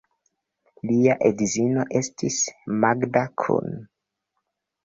Lia edzino estis Magda Kun.